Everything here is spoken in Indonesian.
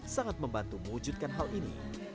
sangat membantu mewujudkan hal ini